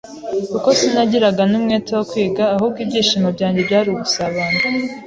kuko sinagiraga n’umwete wo kwiga ahubwo ibyishimo byanjye byari ugusabana